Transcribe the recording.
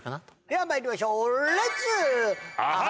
ではまいりましょうレッツ。